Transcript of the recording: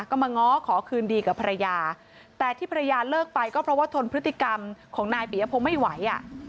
ก็มาง้อขอคืนดีกับภรรยาแต่ที่ภรรยาเลิกไปก็เพราะว่าทนพฤติกรรมของนายปียพงศ์ไม่ไหว